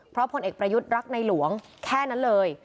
เพราะผลเอกประยุทธ์รักในหลวงแค่นั้นเลย